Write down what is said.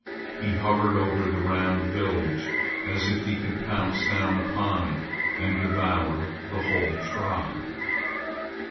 He hovered over the round village as if he could pounce down upon it and devour the whole tribe.